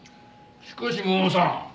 しかしモーさん